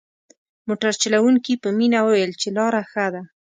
موټر چلوونکي په مينه وويل چې لاره ښه ده.